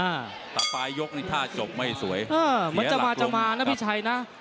หลักปลายยกนี่ท่าจบไม่สวยอ่าเหลือหลักลงมันจะมาจะมาน่ะพี่ชัยน่ะ